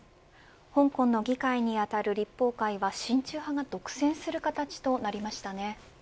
香港の議会にあたる立法会は親中派が独占する形となりましたね。